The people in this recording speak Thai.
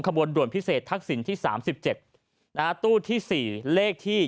บนด่วนพิเศษทักษิณที่๓๗ตู้ที่๔เลขที่